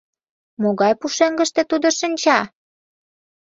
Могай пушеҥгыште тудо шинча?